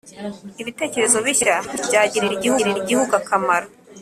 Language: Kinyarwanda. ibitekerezo bishya byagirira Igihugu akamaro